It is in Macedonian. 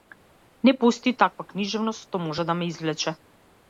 Не постои таква книжевност што може да ме извлече.